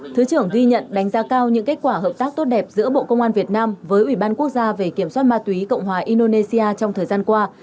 thứ trưởng ghi nhận đánh giá cao những kết quả hợp tác tốt đẹp giữa bộ công an việt nam với ủy ban quốc gia về kiểm soát ma túy cộng hòa indonesia trong thời gian qua